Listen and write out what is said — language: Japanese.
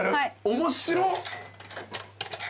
面白っ！